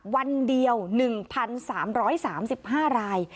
วันเดียว๑๓๓๕ราย